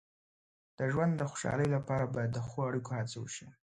د ژوند د خوشحالۍ لپاره باید د ښو اړیکو هڅه وشي.